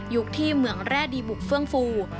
ที่เมืองแร่ดีบุกเฟื่องฟู